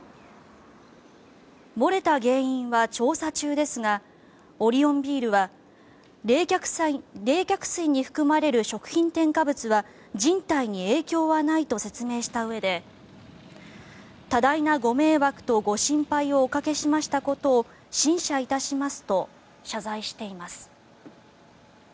漏れた原因は調査中ですがオリオンビールは冷却水に含まれる食品添加物は人体に影響はないと説明したうえで多大なご迷惑とご心配をおかけしましたことを深謝いたしますと謝罪しています。